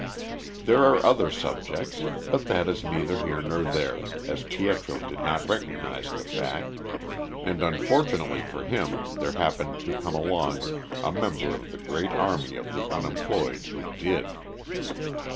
There are other subjects, but that is neither here nor there, as Pietro did not recognise the fact, and, unfortunately for him, there happened to come along a member of the great army of the unemployed who did.